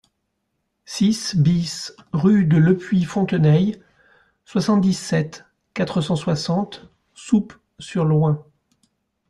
six B rue de Lepuy Fonteneilles, soixante-dix-sept, quatre cent soixante, Souppes-sur-Loing